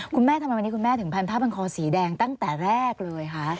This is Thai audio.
คุณแม่ทำไมวันนี้คุณแม่ถึงพันผ้าพันคอสีแดงตั้งแต่แรกเลยคะ